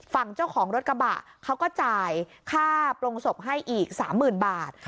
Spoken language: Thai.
ฝั่งเจ้าของรถกระบะเขาก็จ่ายค่าโปรงศพให้อีก๓๐๐๐บาท